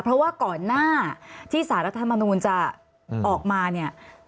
เพราะว่าก่อนหน้าที่สารรัฐธรรมนูลจะออกมาเนี่ย